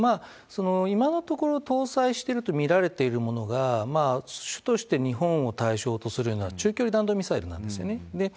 今のところ搭載していると見られているものが、主として日本を対象とするような中距離弾道ミサイルなんですよね。